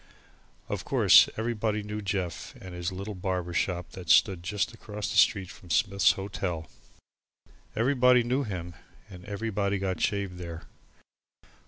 Of course everybody knew Jeff and his little barber shop that stood just across the street from Smith's Hotel. Everybody knew him and everybody got shaved there.